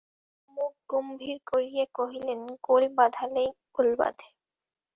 মহিম মুখ গম্ভীর করিয়া কহিলেন, গোল বাধালেই গোল বাধে।